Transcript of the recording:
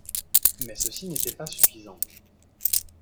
Mais ceci n'était pas suffisant.